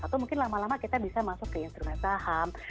atau mungkin lama lama kita bisa masuk ke instrumen saham